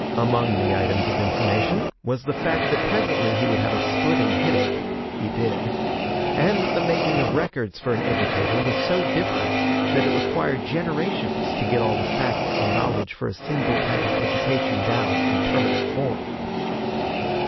Among the items of information was the fact that presently he would have a splitting headache he did and that the making of records for an educator was so different that it required generations to get all the facts and knowledge for a single type of education down in permanent form.